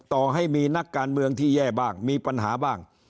ต่อให้มีนักการเมืองที่แย่บ้างมีปัญหาบ้าง